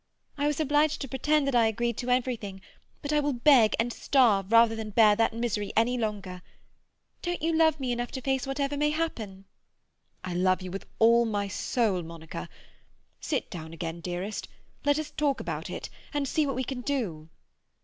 I was obliged to pretend that I agreed to everything, but I will beg and starve rather than bear that misery any longer. Don't you love me enough to face whatever may happen?" "I love you with all my soul, Monica! Sit down again, dearest; let us talk about it, and see what we can do."